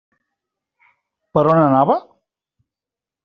Per on anava?